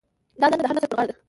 دا دنده د هر نسل پر غاړه ده.